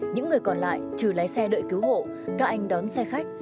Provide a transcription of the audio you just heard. những người còn lại trừ lái xe đợi cứu hộ các anh đón xe khách